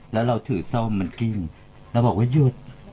แล้วเราถือส้มมันกิ้งเราบอกว่าหยุด